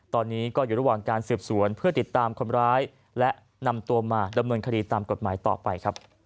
ตอนนี้ก็อยู่ระหว่างการสืบสวนเพื่อติดตามคนร้ายและนำตัวมาดำเนินคดีตามกฎหมายต่อไปครับ